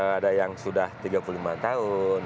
ada yang sudah tiga puluh lima tahun